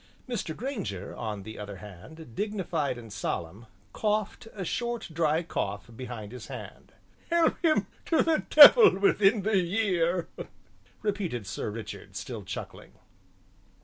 Mr. Grainger, on the other hand, dignified and solemn, coughed a short, dry cough behind his hand. "Help him to the devil within the year," repeated Sir Richard, still chuckling.